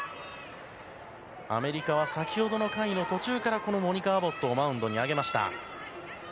アメリカは先ほどの回の途中からモニカ・アボットをマウンドに上げました。